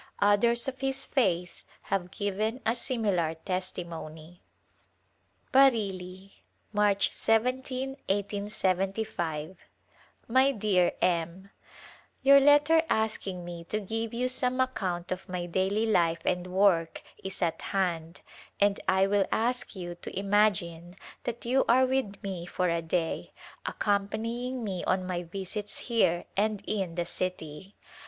Others of his faith have given a similar testimony. Bareilly^ March //, iSj^* My dear M : Your letter asking me to give you some ac count of my daily life and work is at hand and I will ask you to imagine that you are with me for a day, accompanying me on my visits here and in the city.